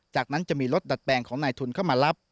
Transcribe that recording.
จากนั้นจะมีรถดัดแปลงของนายทุนเข้ามารับ